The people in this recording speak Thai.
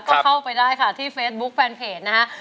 ก็เข้าไปได้ค่ะที่เฟซบุ๊คแฟนเพจนะฮะ